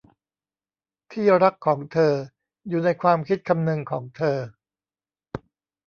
ที่รักของเธออยู่ในความคิดคำนึงของเธอ